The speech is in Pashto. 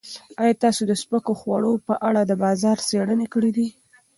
ایا تاسو د سپکو خوړو په اړه د بازار څېړنې کړې دي؟